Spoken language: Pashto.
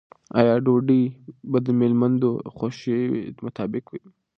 آیا ډوډۍ به د مېلمنو د خوښې مطابق وي؟